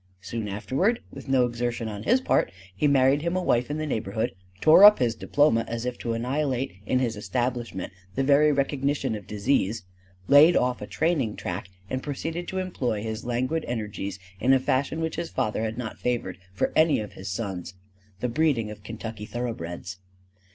Soon afterward with no exertion on his part he married him a wife in the neighborhood; tore up his diploma as if to annihilate in his establishment the very recognition of disease; laid off a training track; and proceeded to employ his languid energies in a fashion which his father had not favored for any of his sons the breeding of Kentucky thoroughbreds.